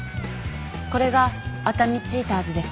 これが熱海チーターズです。